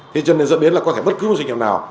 thế cho nên dẫn đến là có thể bất cứ một doanh nghiệp nào